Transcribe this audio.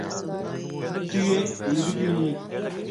Tu yê wî bibînî.